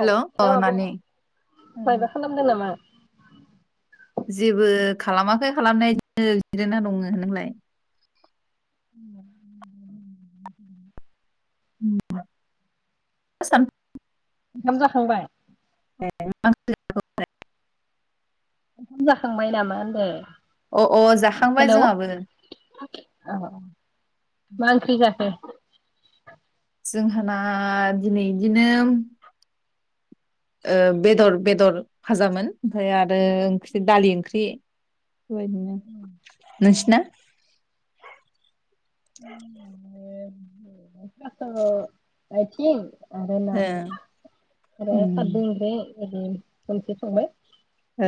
औ हेल' अ आब' नानि मायबा खालामदों नामा? जेबो खालामाखै खालामनाया इदिनो जेरायना दङो नोंलाय? [inaudible] आसाम ओंखाम जाखांबाय? ए मा ओंख्रि जाखो उमफाय? ओंखाम जाखांबाय नामा होनदो? अ अ जाखांबाय जोंहाबो हेल' मा ओंख्रि जाखो? जोंहाना दिनै इदिनो ओ बेदर बेदर फाजामोन ओमफाय आरो दालि ओंख्रि। बे [unintelligible] नोंसिना? [inaudible] [inaudible] थास' आइथिं आरो ना ओ आरोे उम खारदै ओंख्रै [unintelligible] संबाय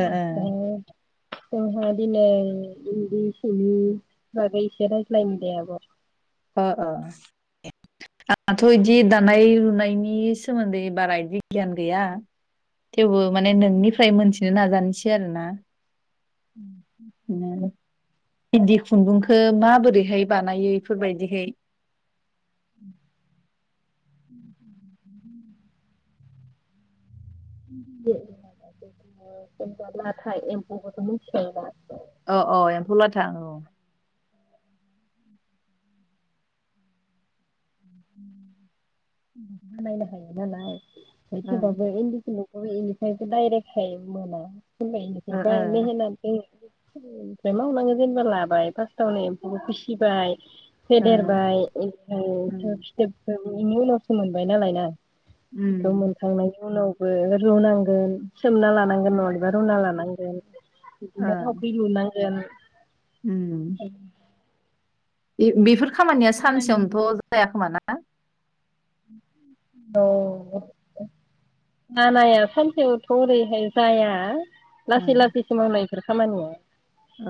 ओ [unintelligible] जोंहा दिनै इन्दि सिनि बागै इसे राइज्लायनि दे आब'। अ अ आंहाथ' इदि दानाय लुनायनि सोमोन्दै बारा इदि गियान गैया। थेवबो माने नोंनिफ्राय मोन थिनो नाजानोसै आरो ना [inaudible] इन्दि खुन्दुंखो माबोरैहाय बानायो? बेफोरबायदिहाय उम [unintelligible] लाथा एमफौखौथ' मिथिखायो दा। अ अ एम्फौ लाथा औ। बानायनो हायो नालाय [unintelligible] ओ [unintelligible] ओं दायरेटखाय मोना। [unintelligible] ओ ओमफ्राय मावनांगो जेनेबा लाबाय फार्स्टआवनो एमफौखो फिसिबाय। ओ फेदेरबाय ओमफ्राय उम [unintelligible] बिनि उनावसो मोनबाय नालाय ना? बेखौ उम मोनखांनायनि उनाव बो रुनांगोन सोमना लानांगोन नङालेबा रुना लानांगोन। [unintelligible] बिदिनो ओं थावख्रि लुना एम उम बे बिफोर खामानिया सानसेयावनोथ' जायाखोमा ना? हा औ बानाया सानसेयावथ' ओरैहाय जाया। लासै ओं लासैसो मावनाय इफोर। खामानि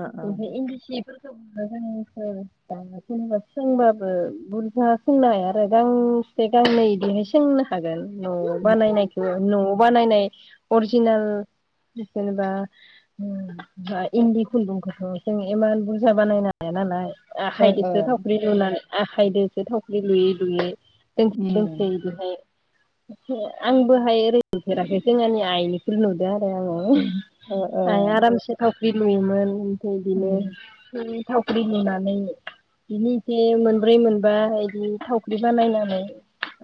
ओ ओ इन्दि सिफोरखोबो [unintelligible] सोंबाबो बुरजा सोंनो हाया आरो गांसे गांनै बिदिहाय सोंनो हागोन न' बानायनाय न'आव बानायनाय अरजिनेल जेनेबा इन्दि खुन्दुंखौथ' जों इमान बुरजा बानायनो हाया नालाय। ओ ओ आखायदोसो थावख्रि लुनानै आखायदोसो थवख्रि लुयै लुयै दोंसे दोंसे उम इदिहाय अ' आं बोहायरे नुफेराखै जोंआंनि आईनिखो नुदों आरो आङो। ओ ओ आइआ आरामसे थाव ख्रि लुयोमोन। बिदिनो उम उम थावख्रि लुनानै बदिनो एसे मोनब्रै मोनबा बिदि थावख्रि बानायनानै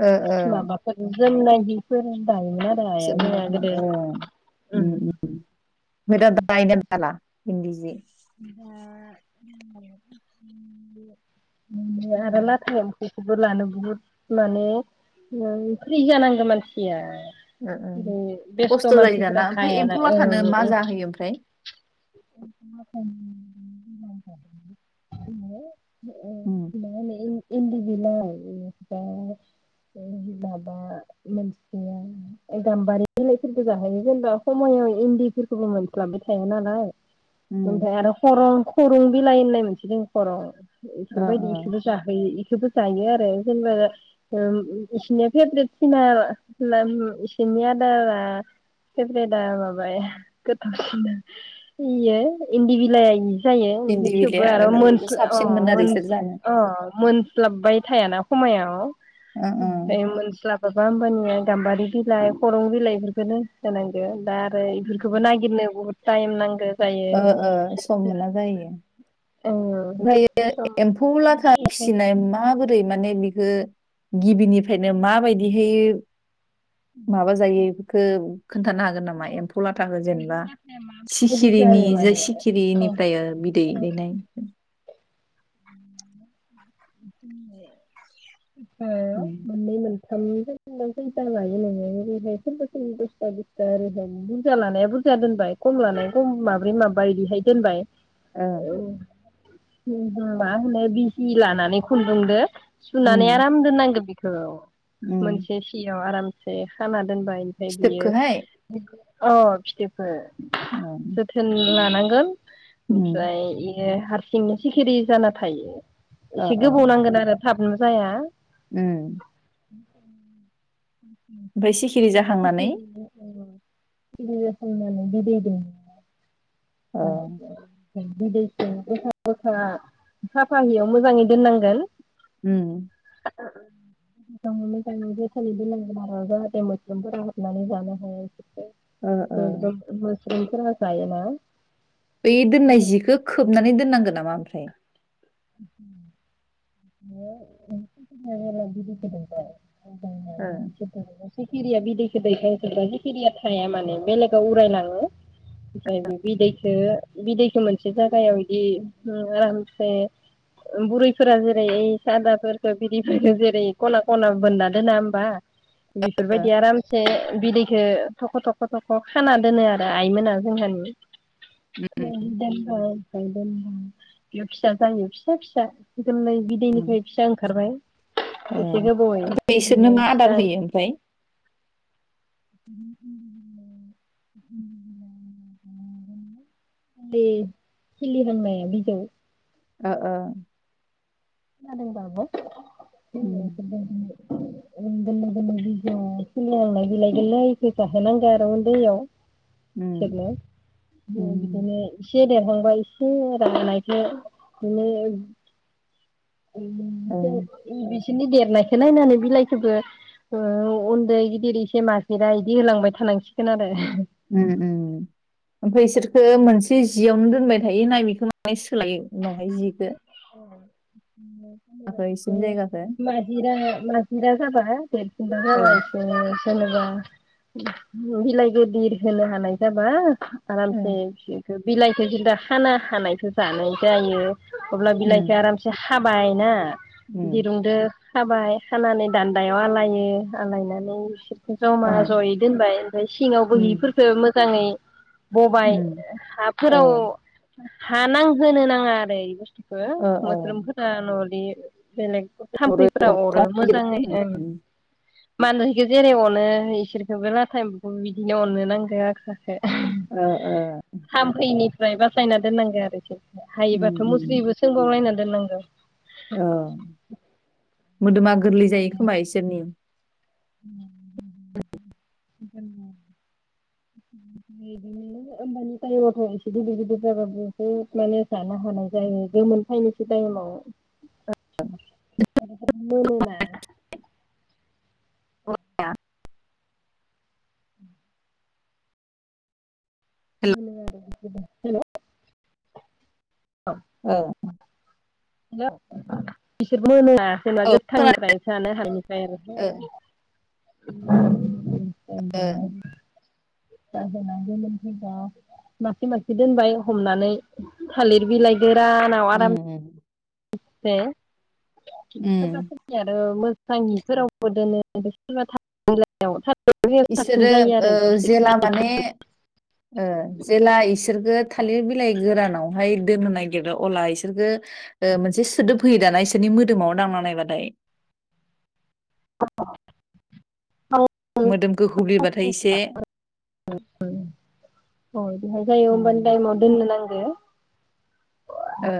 ओ ओ माबाफोर जोमनाय जि फोरोनि दायोक [unintelligible] जोंहा जोमनायखौ गोदो ओ उम [unintelligible] [unintelligible] हिन्दीजि [unintelligible] [unintelligible] लाथोन बेखौबो लानो बुहुद माने फ्रि जानांगौ मानसिया। ओ ओ बे बेस्थ' खस्थ' जायो मानसिफोरा दाना ओमफ्राय एम्फौलाथानो मा जाहोयो ओमफ्राय। हायाना [unintelligible] उम इन्दि बिलाइ इनिफ्राय माबा मोनसेया गाम्बारि बिलाइफोरबो जाहैयो जेनेबा ख'मायाव इन्दिफोरखौबो मोनस्लाबबाय थाया नालाय। उम ओमफ्राय आरो खरं खरं बिलाय होननाय मोनसे दं खर' ओ इफोरबायदि ओ इखोबो जाहोयो। बेखौबो जायो आरो जेनेबा बिसोरनिया फेभरेट सिना बिसोरनि आदारा फेभरेटआ माबाया गोथाव सिना इयो इन्दिबिलायानि जायो ओमफाय इन्दि थेवबो बिलाइआ ओ आरो बेखौ मोनस्ल ओ साबसिनमोन आरो बिसोर मोनस्ल जानो अ मोनस्लबबाय थायाना खमायाव। ओ आफाय मोनस्लाबाबा होमबानिया गाम्बारि बिलाइ खरं बिलाइफोरखौनो होनांगो दा आरो इफोरखौबो नागिरनो बहुद टाएम नांगो जायो। ओ ओ सम मोना जायो। औ ओमफ्रायो सम एम्फौ लाथा फिसिनाय माबोर रै माने बिखो गिबिनिफ्रायनो माबायदि हायो माबा जायो खोब खोन्थानो हागोन नामा एम्फौ लाथाखौ जेनेबा बायदि सिखिरिनि जायो जे माने औ सिखिरिनिफ्राय बिदै दैनाय [inaudible] ओ उम मोननै मोन थाम [unintelligible] लायो नोङो ओरैहाय सोरबा सोरबा दसथा बस्था ओरैहाय बुरजा लानाया बुरजा दोनबाय खम लानाया खम माब्रै माबा बिदिहाय दोनबाय। उम उम मा होनो बिजि लानानै खुन्दुंदो उम सुनानै आराम दोननांगौ बे औ उम मोनसे सियाव आराम से खाना दोनबाय ओमफ्राय बियो फिथोबखौहाय औ फिथोबखौ। उम जोथोन लानां ओं उम ओमफ्राय ए हारसिंनो सिखिरि जाना थायो। ओ एसे ओ गोबाव नांगोन आरो। थाबनो जाया। उम [inaudible] [unintelligible] [unintelligible] सिखिरि जाखांनानै होनबाना बिदै दैयो। [inaudible] ओ [unintelligible] बिदै दैखांबा साफा हियाव मोजाङै दोननांगोन। ओम मोजाङै मोजाङै जोथोनै दोनाबोला जाहाथे मोस्रोमफोरा हाबनानै जानो हाया। ओ ओ [unintelligible] बेफोरो जायो ना? बे दोननाय जिखौ खोबनानै दोननांगोन नामा ओमफ्राय। [inaudible] [unintelligible] [inaudible] ओ सिखिरिया बिदैखो दैखांजोबना सिखिरिया थाया माने बेलेगाव उरायलाङो ओमफ्राय बे बिदैखौ बिदैखो मोनसे जायागायाव बिदि आरामसे बुरैफोरा जेरै ओ सादाफोरखो बिदैफोरखो जेरै खना खना बोनना दोना होमबा? बेफोरबायदि आरामसे बिदै थख' थख' थख' खाना दोनो आरो आइमोना जोंहानि उम [inaudible] [inaudible] जायो फिसा फिसा उम बिदैनिफ्राय फिसा ओंखारबाय ए एसे ओमफ्राय गोबावै इसोरनो मा आदार ओमफ्राय फिसा होयो ओमफ्राय? बे खिलि जेननाय बिजौ। ओ ओ खोनादों बा आब'? [unintelligible] उम ओ गोरलै गोरलै बिजौ बिलाय गोरलैखो जाहोनांगोन आरो उन्दैयाव। [unintelligible] उम बिदिनो एसे देरहांबा एसे राहांनायखो बिदिनो [unintelligible] औ उम बिसोरनि देरनायखौ नायनानै बिलाइखौबो ओ उन्दै गिदिर एसे माजेरा बिदि होलांबाय थानांसिगोन आरो। ओ मोनसे जियावनो दोनबाय थायो ना बेखौ माय सोलायो उनावहाय जिखौ? [unintelligible] इसोरनि जायगाखो ओ जेनेबा बिलाइ गिदिर होनो हानाय जाबा ओ आरामसे बिलाइखौ जों दा हानो हानायखौ जानाय जायो। अब्ला बिलाइखौ उम आरामसे खाबाय ना उम दिरुंदो खाबाय खानानै दान्दायाव आलायो आलायनानै बिसोर ज'मा ओ ज'यै दोनबाय ओमफ्राय सिङावबो उम हिफोरखौ मोजाङै बबाय उम औ हाफोराव हा नांहोनो नाङा आरो बे ओ ओ मोस्रोमफोरा न' बे बेलेग अरै थाम्फैफोरा अरो अरथाम मोजाङै ओं मानसिखो जेरै अनो इसोरखौबो लाथा एम्फौखौ बिदिनो अननो नांगो आरो। ओ ओ थामफैनि फ्राय बासायना दोननांगो आरोखि। उम उम। खोंलायना दोननांगौ। औ मोदोमा गोरलै जायो खोमा इसोरनि? बिदिनो होमबानि टाइमावथ' एसे गिदिर गिदिर जाबाबो एसे माने जानो हानाय जायो गोमोन फैनोसै टाइमाव। [unintelligible] एम्फौ गोमोना [unintelligible] [unintelligible] ओ। [unintelligible] जेनेबा औ खोनादों गोथांफ्राय जानो हानायनिफ्राय आरो [unintelligible] ओं [inaudible] मासे मासे दोनबाय हमनानै थालिर बिलाइ गोरानाव उम आराम उम से [inaudible] उम नि आरो मोज [unintelligible] इसोरो ओ जेला माने जेला इसोरगो थालिर बिलाइ गोरानावहाय दोननो नागिरो अब्ला बिसोरखौ मोनसे सोदोब होयो दाना इसोरनि मोदोमाव दांना नायबाथाय [unintelligible] मोदोम गोहौलेबाथाय एसे [unintelligible] होनांगो [unintelligible] उम ओ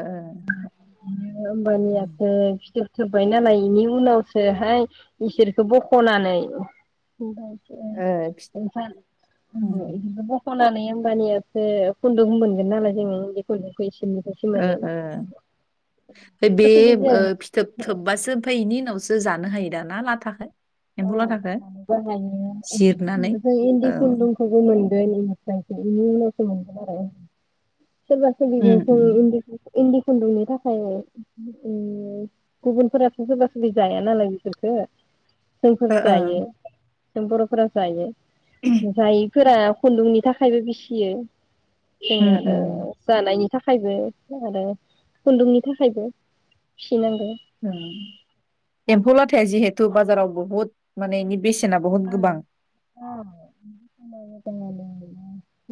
होमबानियासो जोबबाय नालाय बेनि उनावसोहाय इसोरखौ बखनानै ओ फि [unintelligible] उम ओंहो इदिनो खनानै होमबानियासो खुन्दुं मोनगोन ना [unintelligible] ओ ओ आमफाय बे सोरबा सोरबि फिथोब जों थोबबासो ओमफाय बेनि उनावसो जो जानो हायो दा ना ला थाखो अ [unintelligible] जिरनानै इन्दि औ खुन्दुंखौबो मोन [unintelligible] सोरबा सोरबिबो उम उम इन्दि खुन्दुं इन्दि खुन्दुंनि थाखायनो ओ गुबुनफोरासो सोरबा सोरबि जाया नालाय बिसोरखो जोंफोर ओ ओ जायो जों बरफोरा जायो जायैफोरा खुन्दुंनि थाखायबो बिसियो उम उम [unintelligible] जानायनि थाखायबो आरो खुन्दुंनि थाखायबो फिसिनांगौ [inaudible] उम एम्फौ लाथ थे जिहेतु बाजाराव बुहुत माने निथ बेसेना बुहुद गोबां।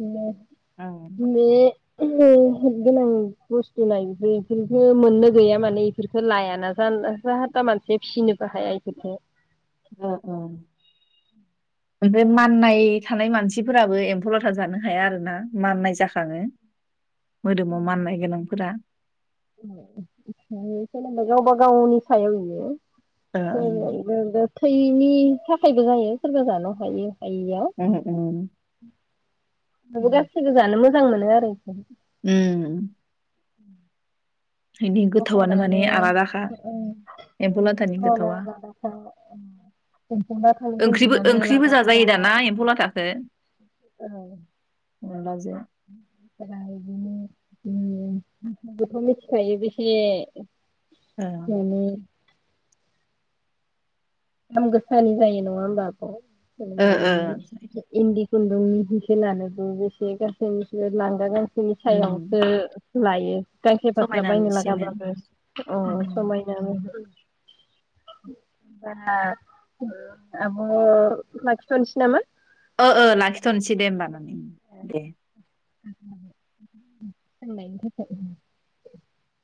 उम [unintelligible] ओ [unintelligible] गोनां बुस्थु ना इ-इफोरखो मोननो गैया माने इफोरखो लायाना जाल-जाहा थाहा मानसिया फिसिनोबो हाया इफोरखो। ओ ओ ओमफ्राय माननाय थानाय मानसिफोराबो एम्फौ लाथा जानो हाया आरोना माननाय जाखाङो। मोदोमाव माननाय गोनांफोरा [unintelligible] खालामबा गावबा गावनि सायाव इयो। ओ ओं [unintelligible] थैनि थाखायबो जायो सोरबा जानो हायो हायिया हो हो उम नोंबो उम गासैबो जानो मोज मोजां मोनो आरो इखो। उम इनि गोथावानो माने आलादाखा एम्फौ लाथानि गोथावा ओंख्रिबो ओंख्रिबो जाजायो दाना एम्फौ लाथाखो [unintelligible] अनलाजों [unintelligible] बेखौ मिथिखायो बेसे ओ जानो दाम गोसानि जायो नङा होमबा आब'। ओ ओ [unintelligible] इन्दि खुन्दुंनि हिखो‌ लानोबो [unintelligible] लांगा गान बिनि उम सायावसो लायो गांसे फाख्रा समायना बायनो नुसिनो लागाबाबो अ समायना मह [unintelligible] आ ओ आब' लाखिथ'नोसै नामा? ओ ओ लाखिथ'नोसै दे होमबा नानि दे। [unintelligible]